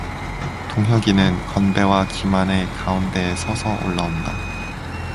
동혁이는 건배와 기만의 가운데에 서서 올라온다.